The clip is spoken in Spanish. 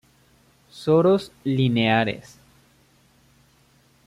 Soros lineares.